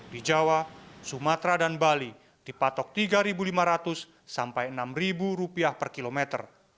di jawa sumatera dan bali dipatok rp tiga lima ratus sampai rp enam per kilometer